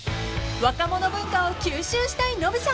［若者文化を吸収したいノブさん］